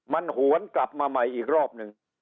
มันหวนกลับมาใหม่อีกรอบหนึ่ง